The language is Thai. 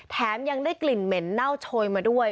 แถมยังได้กลิ่นเหม็นเน่าโชยมาด้วย